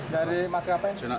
dari mas kap